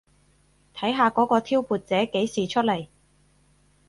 睇下嗰個挑撥者幾時出嚟